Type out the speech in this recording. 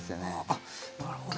あっなるほど。